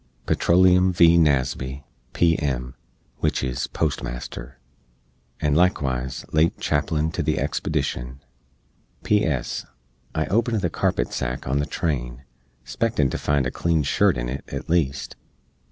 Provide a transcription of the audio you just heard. PETROLEUM V. NASBY, P.M. (wich is Postmaster), and likewise late Chaplain to the expedishn. P.S. I opened the carpet sack on the train, spectin to find a clean shirt in it, at least.